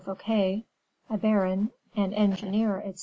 Fouquet, a baron, and engineer, etc.